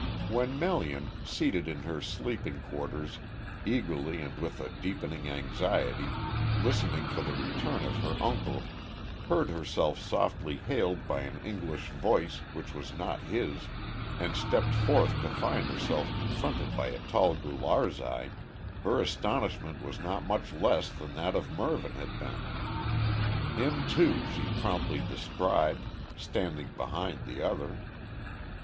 When Melian, seated in her sleeping quarters, eagerly and with a deepening anxiety, listening for the return of her uncle, heard herself softly hailed by an English voice which was not his and stepped forth to find herself confronted by a tall Gularzai, her astonishment was not much less than that of Mervyn had been. Him, too, she promptly descried, standing behind the other.